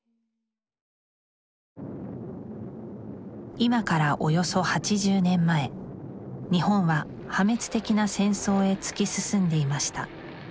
今からおよそ８０年前日本は破滅的な戦争へ突き進んでいました